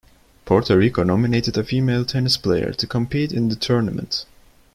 Puerto Rico nominated a female tennis player to compete in the tournament.